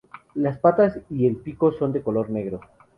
Las patas y el pico son de color negro.